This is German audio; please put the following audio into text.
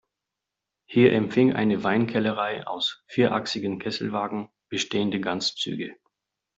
Hier empfing eine Weinkellerei aus vierachsigen Kesselwagen bestehende Ganzzüge.